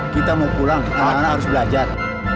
kita mau pulang anak anak harus belajar